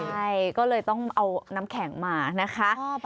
ใช่ก็เลยต้องเอาน้ำแข็งมานะคะ